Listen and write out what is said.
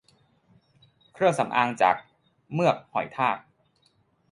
เครื่องสำอางจากเมือกหอยทาก